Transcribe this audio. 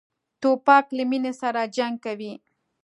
توپک له مینې سره جنګ کوي.